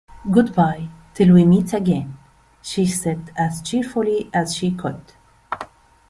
‘Good-bye, till we meet again!’ she said as cheerfully as she could.